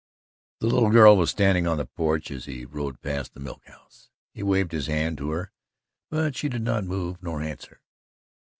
The little girl was standing on the porch as he rode past the milk house. He waved his hand to her, but she did not move nor answer.